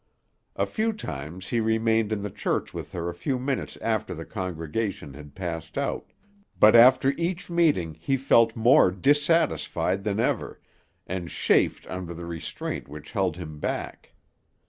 A few times he remained in the church with her a few minutes after the congregation had passed out, but after each meeting he felt more dissatisfied than ever, and chafed under the restraint which held him back.